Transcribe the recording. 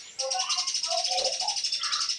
政府军向之前遭袭的检查站投入增援。